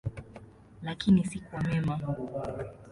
Lakini si kwa mema.